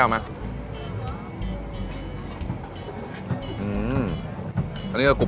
คนที่มาทานอย่างเงี้ยควรจะมาทานแบบคนเดียวนะครับ